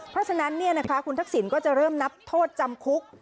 เพราะฉะนั้นคุณทักษิณก็จะเริ่มนับโทษจำคุก